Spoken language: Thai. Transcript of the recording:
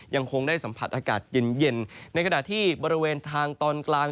ยังคงได้สัมผัสอากาศเย็นเย็นในขณะที่บริเวณทางตอนกลาง